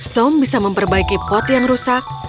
som bisa memperbaiki pot yang rusak